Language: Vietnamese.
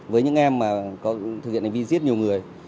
với những em mà thực hiện hành vi giết nhiều người